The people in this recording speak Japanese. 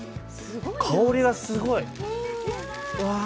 香りがすごい、わー。